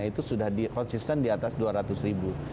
itu sudah konsisten di atas dua ratus ribu